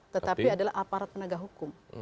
tetapi adalah aparat penegak hukum